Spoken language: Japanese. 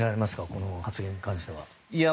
この発言に関しては。